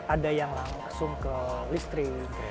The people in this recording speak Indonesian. ada yang langsung ke listrik